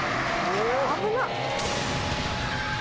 危なっ！